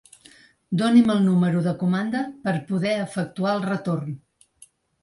Doni'm el número de comanda per poder efectuar el retorn.